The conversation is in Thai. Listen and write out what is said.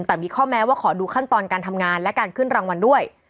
แต่มีข้อแม้ว่าขอดูขั้นตอนการทำงานและการขึ้นรางวัลด้วย